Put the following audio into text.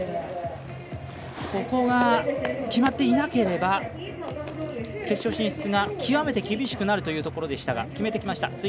ここが決まっていなければ決勝進出が極めて厳しくなるというところでしたが決めてきました。